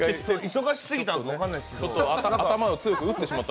忙しすぎたのかわからないんですけど。